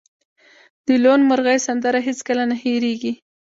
د لوون مرغۍ سندره هیڅکله نه هیریږي